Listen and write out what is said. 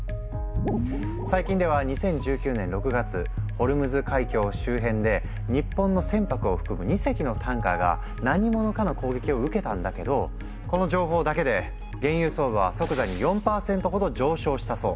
最近では２０１９年６月ホルムズ海峡周辺で日本の船舶を含む２隻のタンカーが何者かの攻撃を受けたんだけどこの情報だけで原油相場は即座に４％ほど上昇したそう。